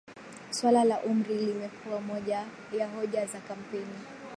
Suala la umri limekuwa moja ya hoja za kampeni